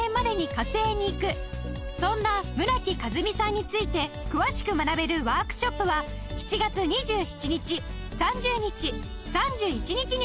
そんな村木風海さんについて詳しく学べるワークショップは７月２７日３０日３１日に開催！